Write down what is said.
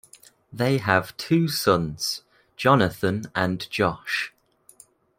They have two sons, Jonathan and Josh.